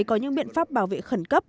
có những biện pháp bảo vệ khẩn cấp